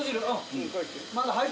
うん。